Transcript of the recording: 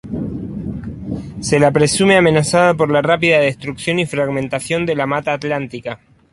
Se la presume amenazada por la rápida destrucción y fragmentación de la Mata atlántica.